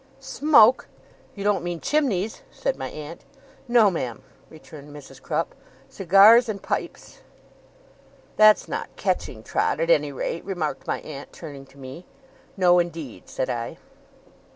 'Smoke? You don't mean chimneys?' said my aunt. 'No, ma'am,' returned Mrs. Crupp. 'Cigars and pipes.' 'That's not catching, Trot, at any rate,' remarked my aunt, turning to me. 'No, indeed,' said I.